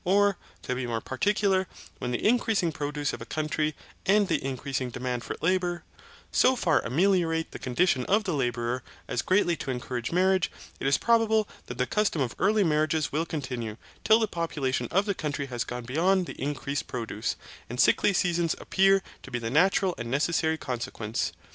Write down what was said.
Or, to be more particular, when the increasing produce of a country, and the increasing demand for labour, so far ameliorate the condition of the labourer as greatly to encourage marriage, it is probable that the custom of early marriages will continue till the population of the country has gone beyond the increased produce, and sickly seasons appear to be the natural and necessary consequence.